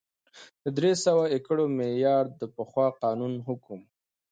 د درې سوه ایکره معیار د پخوا قانون حکم و